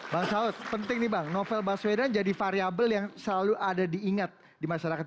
bang saud penting nih bang novel baswedan jadi variable yang selalu ada diingat di masyarakat